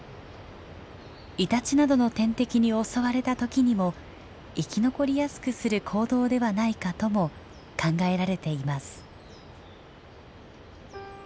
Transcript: イタチなどの天敵に襲われた時にも生き残りやすくする行動ではないかとも考えられています。